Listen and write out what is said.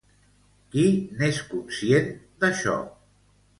Qui n'és conscient d'això?